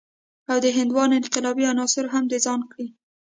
او د هندوانو انقلابي عناصر هم د ځان کړي.